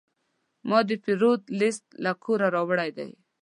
ما د پیرود لیست له کوره راوړی و.